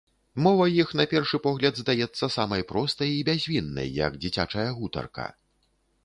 Мова іх на першы погляд здаецца самай простай і бязвіннай, як дзіцячая гутарка.